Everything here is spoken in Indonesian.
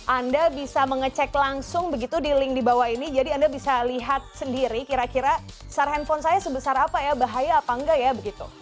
anda bisa mengecek langsung begitu di link di bawah ini jadi anda bisa lihat sendiri kira kira sar handphone saya sebesar apa ya bahaya apa enggak ya begitu